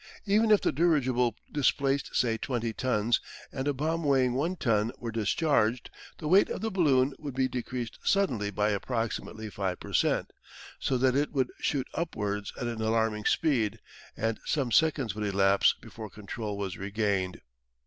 Even if the dirigible displaced say 20 tons, and a bomb weighing one ton were discharged, the weight of the balloon would be decreased suddenly by approximately five per cent, so that it would shoot upwards at an alarming speed, and some seconds would elapse before control was regained.